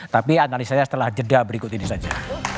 tapi analisanya setelah jeda berikut ini saja